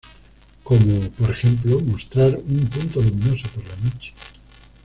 Cómo, por ejemplo, mostrar un punto luminoso por la noche.